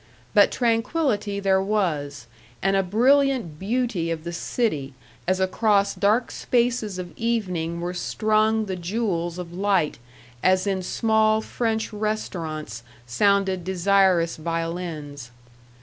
But tranquillity there was, and a brilliant beauty of the city as across dark spaces of evening were strung the jewels of light, as in small, French restaurants sounded desirous violins.